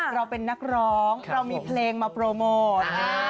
เราเป็นนักร้องเรามีเพลงมาโปรโมท